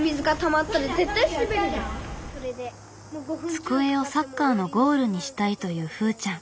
机をサッカーのゴールにしたいというふーちゃん。